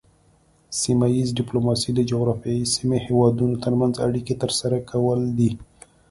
سیمه ایز ډیپلوماسي د جغرافیایي سیمې هیوادونو ترمنځ اړیکې ترسره کول دي